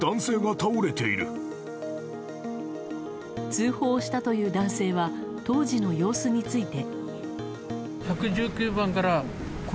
通報をしたという男性は当時の様子について。